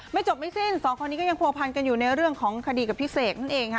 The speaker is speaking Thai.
ไม่จบไม่เส้น๒คนนี้ยังโผล่พันกันอยู่ในเรื่องของคดีกับพิเศษนั่นเองฮะ